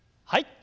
はい。